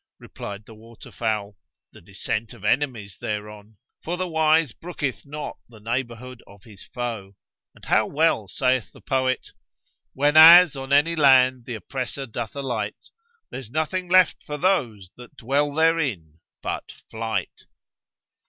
Replied the water fowl, "The descent of enemies thereon; for the wise brooketh not the neighbourhood of his foe; and how well saith the poet, Whenas on any land the oppressor doth alight, * There's nothing left for those, that dwell therein, but flight.'''